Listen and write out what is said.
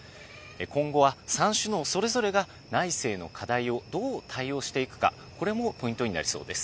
今後は３首脳それぞれが内政の課題をどう対応していくか、これもポイントになりそうです。